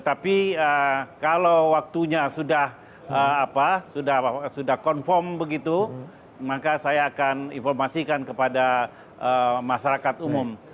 tapi kalau waktunya sudah confirm begitu maka saya akan informasikan kepada masyarakat umum